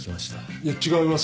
いや違います。